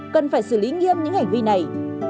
cần phải xử lý nghiêm những hành vi này